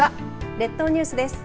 列島ニュースです。